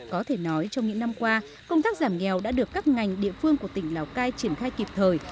có thể nói trong những năm qua công tác giảm nghèo đã được các ngành địa phương của tỉnh lào cai triển khai kịp thời